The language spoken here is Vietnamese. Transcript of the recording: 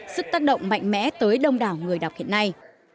sức tác động mạnh mẽ tới đông đảo người đọc hiện nay